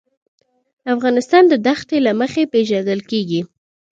افغانستان د دښتې له مخې پېژندل کېږي.